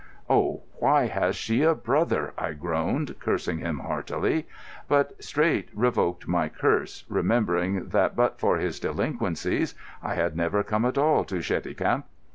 "Oh, why has she a brother!" I groaned, cursing him heartily, but straight revoked my curse, remembering that but for his delinquencies I had never come at all to Cheticamp.